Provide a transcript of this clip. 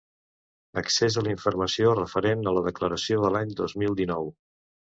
Accés a la informació referent a la Declaració de l'any dos mil dinou.